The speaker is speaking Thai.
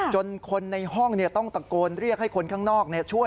จนคนในห้องต้องตะโกนเรียกให้คนข้างนอกช่วย